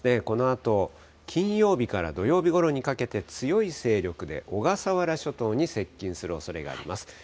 このあと金曜日から土曜日ごろにかけて、強い勢力で、小笠原諸島に接近するおそれがあります。